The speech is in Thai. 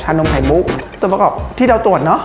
นมไข่มุกส่วนประกอบที่เราตรวจเนอะ